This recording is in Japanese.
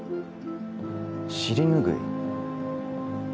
尻拭い？